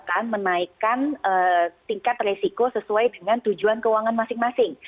akan menaikkan tingkat resiko sesuai dengan tujuan keuangan masing masing